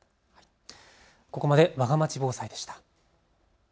ここまでわがまち防災でした。